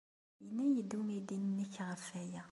Yenna-iyi-d umidi-nnek ɣef waya.